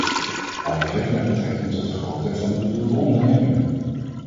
Allereerst met betrekking tot de grootte van de bedoelde ondernemingen.